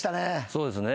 そうですね。